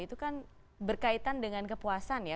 itu kan berkaitan dengan kepuasan ya